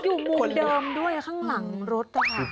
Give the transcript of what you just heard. อยู่มุมเดิมด้วยข้างหลังรถนะคะ